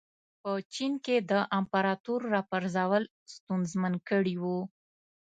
په چین کې د امپراتور راپرځول ستونزمن کړي وو.